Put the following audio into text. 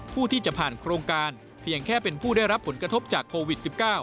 ผู้ที่จะผ่านโครงการเพียงแค่เป็นผู้ได้รับผลกระทบจากโควิด๑๙